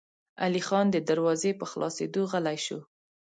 علی خان د دروازې په خلاصېدو غلی شو.